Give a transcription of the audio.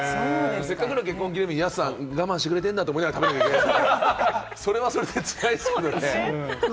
せっかくの結婚記念日に、安さんは我慢してくれてるんだと思いながら食べるというのも、それはそれでつらいですよね。